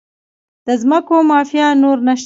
د ځمکو مافیا نور نشته؟